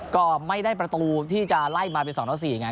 ก็ไม่ได้ประตูที่จะไล่มาเป็น๒ต่อ๔ไง